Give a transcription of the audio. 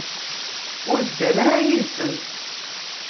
Ur ddan ara yid-sent.